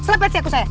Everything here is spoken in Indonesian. selepet sih aku saya